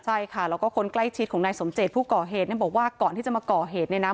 ใช่ค่ะแล้วก็คนใกล้ชิดของนายสมเจตผู้ก่อเหตุเนี่ยบอกว่าก่อนที่จะมาก่อเหตุเนี่ยนะ